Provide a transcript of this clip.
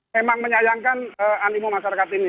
memang menyayangkan animo masyarakat ini